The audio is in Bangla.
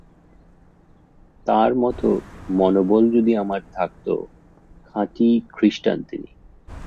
তাঁর মত মনোবল যদি আমার থাকত! খাঁটি খ্রীষ্টান তিনি।